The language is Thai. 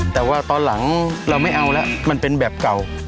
แต่ว่าตอนหลังเราไม่เอาแล้วมันเป็นแบบเก่า